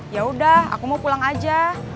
yaudah aku mau pulang aja